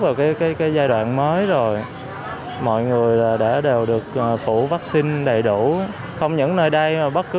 vào cái giai đoạn mới rồi mọi người là đã đều được phụ vắc xin đầy đủ không những nơi đây mà bất cứ